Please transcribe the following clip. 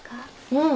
うん。